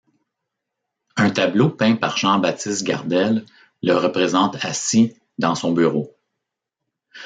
Un tableau peint par Jean-Baptiste Gardel le représente assis dans son bureau.